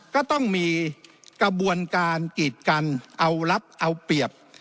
ก็ต้องมีกระบวนการกีดกันเอาลับเอาเปรียบ